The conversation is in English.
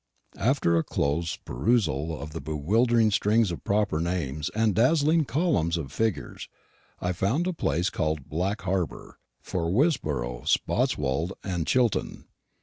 After a close perusal of bewildering strings of proper names and dazzling columns of figures, I found a place called Black Harbour, "for Wisborough, Spotswold, and Chilton."